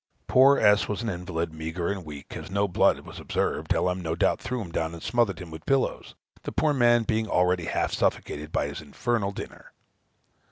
Poor S. was an invalid, meagre, and weak: as no blood was observed, L.M., no doubt, threw him down and smothered him with pillows, the poor man being already half suffocated by his infernal dinner.